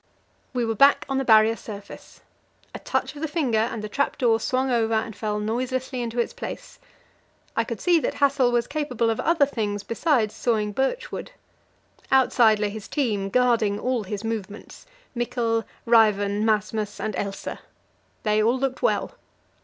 We were back on the Barrier surface; a touch of the finger, and the trap door swung over and fell noiselessly into its place. I could see that Hassel was capable of other things besides sawing birchwood. Outside lay his team, guarding all his movements Mikkel, Ræven, Masmas, and Else. They all looked well.